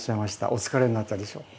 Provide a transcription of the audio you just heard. お疲れになったでしょう。